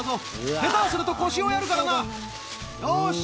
下手をすると腰をやるからな。